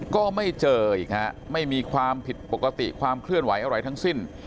ก็ไม่เจออีกฮะไม่มีความผิดปกติความเคลื่อนไหวอะไรทั้งสิ้น